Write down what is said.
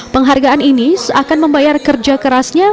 penghargaan ini seakan membayar kerja kerasnya